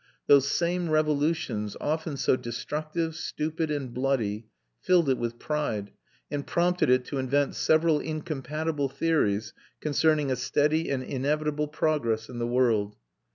Those same revolutions, often so destructive, stupid, and bloody, filled it with pride, and prompted it to invent several incompatible theories concerning a steady and inevitable progress in the world.